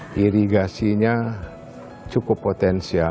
irigasinya cukup potensial